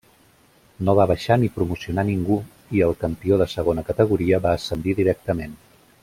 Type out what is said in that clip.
No va baixar ni promocionar ningú, i el campió de Segona Categoria va ascendir directament.